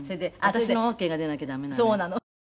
「私のオーケーが出なきゃダメなのよ」